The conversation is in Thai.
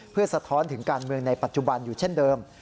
เพื่อสะท้อนถึงการเมืองในปัจจุบันอยู่เช่นเดิม